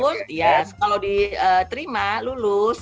satu tahun ya kalau diterima lulus